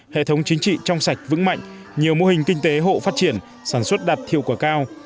hệ thống chính trị trong sạch vững mạnh nhiều mô hình kinh tế hộ phát triển sản xuất đạt thiệu quả cao